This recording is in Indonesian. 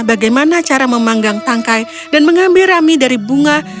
bagaimana cara memanggang tangkai dan mengambil rami dari bunga